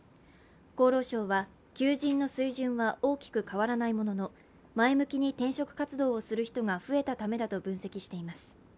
厚労省は求人の水準は大きく変わらないものの前向きに転職活動をする人が増えたためだと分析しています。